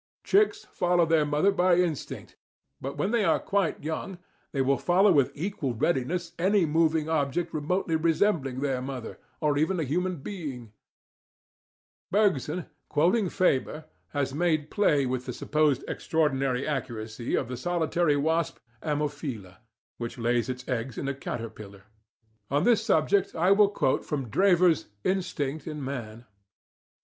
Chicks follow their mother by instinct, but when they are quite young they will follow with equal readiness any moving object remotely resembling their mother, or even a human being (James, "Psychology," ii, 396). Bergson, quoting Fabre, has made play with the supposed extraordinary accuracy of the solitary wasp Ammophila, which lays its eggs in a caterpillar. On this subject I will quote from Drever's "Instinct in Man," p.